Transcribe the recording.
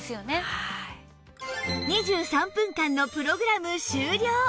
２３分間のプログラム終了